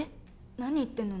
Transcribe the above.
何言ってんの？